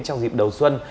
trong dịp đầu xuân